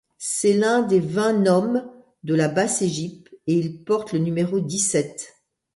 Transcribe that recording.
C'est l'un des vingt nomes de la Basse-Égypte et il porte le numéro dix-sept.